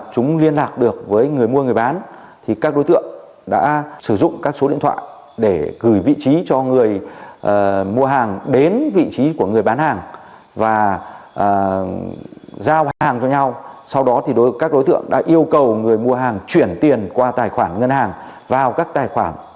cũng như bị hại thì rất khó khăn